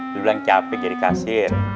dibilang capek jadi kasir